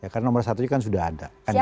karena nomor satu kan sudah ada